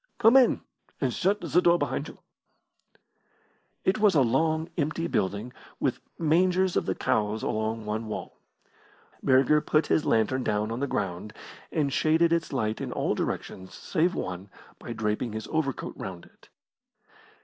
Come in, and shut the door behind you." It was a long, empty building, with the mangers of the cows along one wall. Burger put his lantern down on the ground, and shaded its light in all directions save one by draping his overcoat round it.